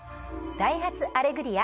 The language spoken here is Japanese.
『ダイハツアレグリア』